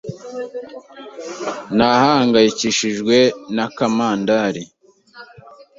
Nahangayikishijwe na Kamandali.